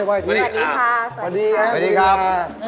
สวัสดีครับ